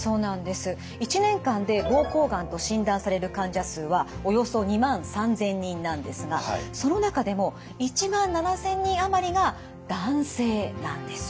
１年間で膀胱がんと診断される患者数はおよそ２万３，０００人なんですがその中でも１万７，０００人余りが男性なんです。